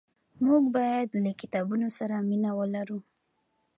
موږ باید له کتابونو سره مینه ولرو.